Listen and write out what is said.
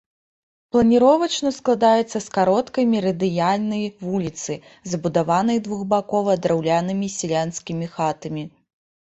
Планіровачна складаецца з кароткай мерыдыянальнай вуліцы, забудаванай двухбакова драўлянымі сялянскімі хатамі.